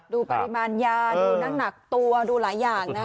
ดูปริมาณยาดูนั่งหนักตัวดูหลายอย่างนะ